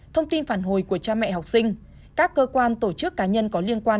thông tin phản hồi của cha mẹ học sinh các cơ quan tổ chức cá nhân có liên quan